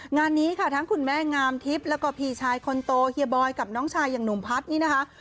งานนี้ค่ะทั้งคุณแม่งามทิพย์แล้วก็พี่ชายคนโตเฮียบอยกับน้องชายอย่างหนุ่มพัฒน์นี่นะคะ